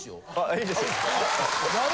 いいです？